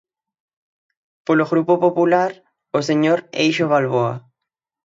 Polo Grupo Popular, o señor Eixo Valboa.